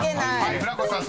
［船越さん